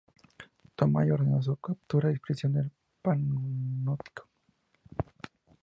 Tamayo ordenó su captura y prisión en el Panóptico.